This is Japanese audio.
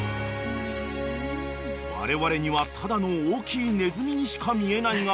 ［われわれにはただの大きいネズミにしか見えないが］